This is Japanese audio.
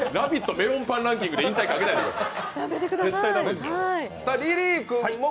メロンパンランキングで引退をかけないでください。